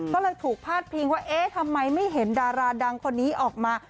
ก็เลยถูกพาดพิงว่าเอ๊ะทำไมไม่เห็นดาราดังคนนี้ออกมา